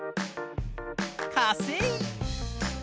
かせい。